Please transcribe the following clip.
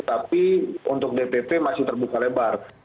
tapi untuk dpp masih terbuka lebar